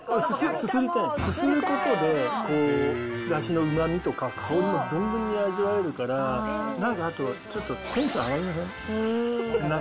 すすることで、だしのうまみとか、香りも存分に味わえるから、なんかあと、ちょっとテンション上がりません？